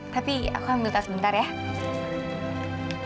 tapi aku tidak bisa mencari aksan